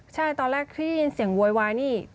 ใช่ตอนแรกที่ได้ยินเสียงโวยวายนี่